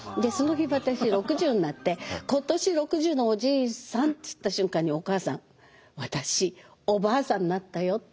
その日私６０になって「今年六十のおじいさん」って言った瞬間に「お母さん私おばあさんになったよ」